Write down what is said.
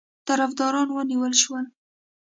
طرفداران ونیول شول.